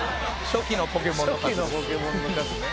初期のポケモンの数ね。